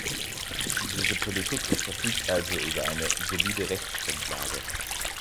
Diese Politik verfügt also über eine solide Rechtsgrundlage.